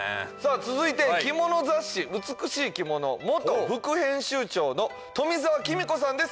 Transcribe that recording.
続いて着物雑誌「美しいキモノ」元副編集長の富澤輝実子さんです